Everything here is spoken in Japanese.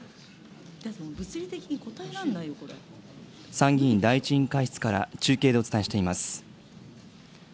参議院第１委員会室から中継でお伝えしています。